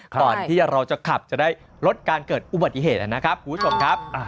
ก่อนที่เราจะขับจะได้ลดการเกิดอุบัติเหตุนะครับคุณผู้ชมครับ